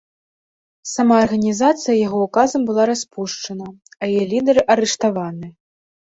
Сама арганізацыя яго ўказам была распушчана, а яе лідары арыштаваны.